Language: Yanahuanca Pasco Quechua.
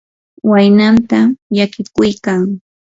waynanta llakiykuykan.